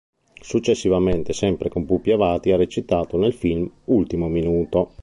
Successivamente sempre con Pupi Avati ha recitato nel film "Ultimo minuto".